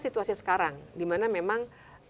situasi sekarang dimana memang